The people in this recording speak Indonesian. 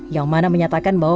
yang mana menyatakan bahwa